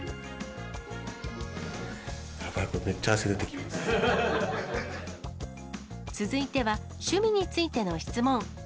やばい、これ、続いては、趣味についての質問。